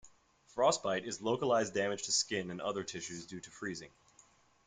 Frostbite is localized damage to skin and other tissues due to freezing.